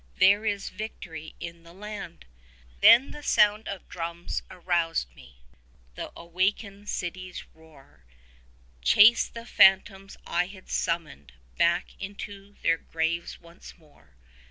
there is victory in the land!' Then the sound of drums aroused me. The awakened city's roar Chased the phantoms I had summoned back into their graves once more.